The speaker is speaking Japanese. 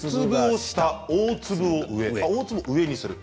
大粒を上にする。